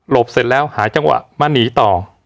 เสร็จแล้วหาจังหวะมาหนีต่อ